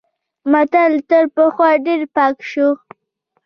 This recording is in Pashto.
متن تر پخوا ډېر پاک شو.